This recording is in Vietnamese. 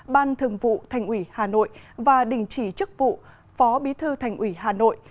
ban thường vụ thành ủy hà nội và đình chỉ chức vụ phó bí thư thành ủy hà nội